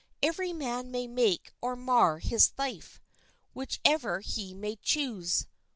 Every man may make or mar his life, whichever he may choose.